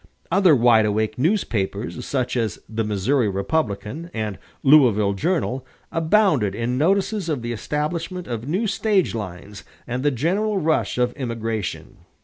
Other wide awake newspapers, such as the "Missouri Republican" and "Louisville Journal," abounded in notices of the establishment of new stage lines and the general rush of immigration.